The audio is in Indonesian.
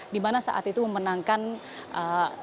di mana saat itu memenangkan ee